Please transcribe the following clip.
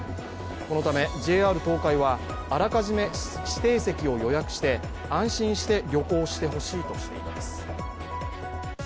このため、ＪＲ東海はあらかじめ指定席を予約して安心して旅行してほしいとしています。